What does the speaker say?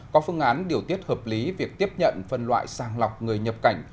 có phương án điều tiết hợp lý việc tiếp nhận phân loại sang lọc người nhập cảnh